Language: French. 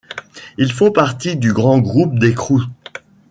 Ils font partie du grand groupe des Krou.